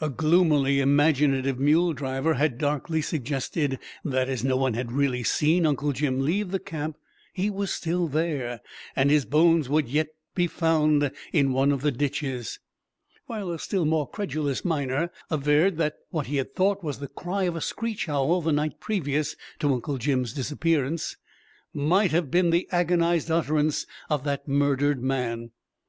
A gloomily imaginative mule driver had darkly suggested that, as no one had really seen Uncle Jim leave the camp, he was still there, and his bones would yet be found in one of the ditches; while a still more credulous miner averred that what he had thought was the cry of a screech owl the night previous to Uncle Jim's disappearance, might have been the agonized utterance of that murdered man.